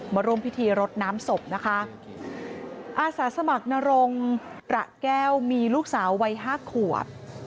มาร่วมพิธีรดน้ำศพนะคะอาสาสมัครนรงประแก้วมีลูกสาววัยห้าขวบ